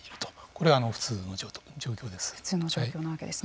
これが普通の状況です。